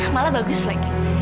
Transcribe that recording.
malah bagus lagi